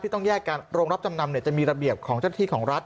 ต้องแยกกันโรงรับจำนำจะมีระเบียบของเจ้าที่ของรัฐ